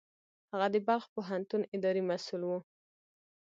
هغه د بلخ پوهنتون اداري مسوول و.